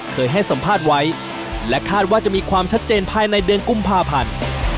เคยให้สัมภาษณ์ไว้และคาดว่าจะมีความชัดเจนภายในเดือนกุมภาพันธ์